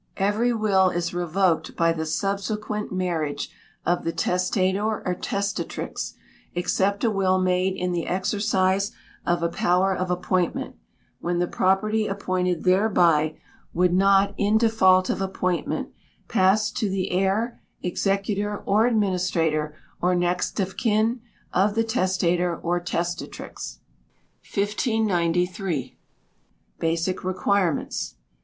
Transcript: Every Will is revoked by the subsequent marriage of the testator or testatrix, except a will made in the exercise of a power of appointment, when the property appointed thereby would not, in default of appointment, pass to the heir, executor, or administrator, or next of kin of the testator or testatrix. 1593. Basic Requirements.